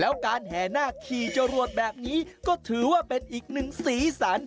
แล้วการแห่นาคขี่จรวดแบบนี้ก็ถือว่าเป็นอีกหนึ่งสีสัน